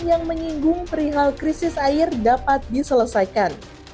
yang menyinggung perihal krisis air dapat diselesaikan